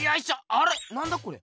あれなんだこれ？